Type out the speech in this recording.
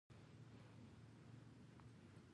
د ځمکې تودوخه خطرناکه ده